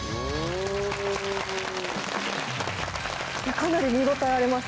かなり見応えありました